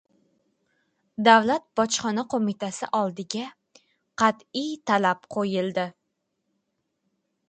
Davlat bojxona qo‘mitasi oldiga qat’iy talab qo‘yildi